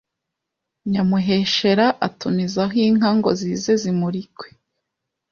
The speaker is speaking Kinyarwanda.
Nyamuheshera atumizaho inka ngo zize zimurikwe